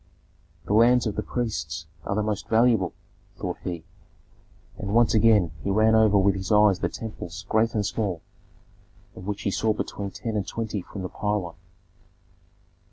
"The lands of the priests are the most valuable," thought he; and once again he ran over with his eyes the temples great and small, of which he saw between ten and twenty from the pylon.